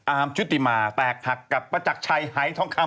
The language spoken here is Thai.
อาร์มชุติมาร์แตกถักกับประจักรชัยหายท้องคำ